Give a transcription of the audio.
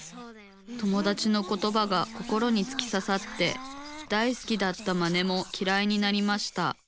友だちのことばが心につきささって大好きだったマネもきらいになりました。